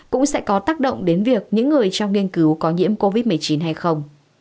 cũng sẽ có tác động đến việc những người trong nghiên cứu có nhiễm covid một mươi chín hay không